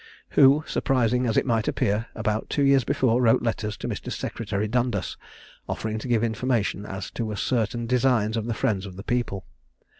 who, surprising as it might appear, about two years before wrote letters to Mr. Secretary Dundas, offering to give information as to certain designs of the Friends of the People.